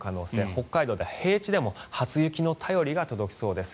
北海道では平地でも初雪の便りが届きそうです。